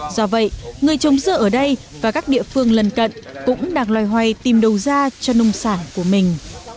do vậy người trồng dưa ở đây và các địa phương lân cận cũng đang loay hoay tìm đầu ra cho nông sản của mình